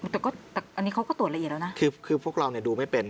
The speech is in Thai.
แต่ก็แต่อันนี้เขาก็ตรวจละเอียดแล้วนะคือพวกเราเนี่ยดูไม่เป็น